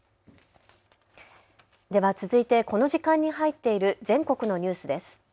では続いてこの時間に入っている全国のニュースです。